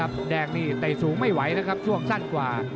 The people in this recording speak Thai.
มุมแดงนี่ไต่สูงไม่ไหวนะครับช่วงสั้นกว่า